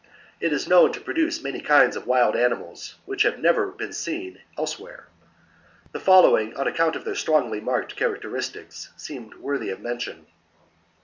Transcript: It is known to produce many kinds of wild animals which have never been seen elsewhere. The following, on account of their strongly marked characteristics, seem worthy of mention.